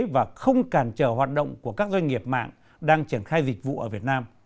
và không cản trở hoạt động của các doanh nghiệp mạng đang triển khai dịch vụ ở việt nam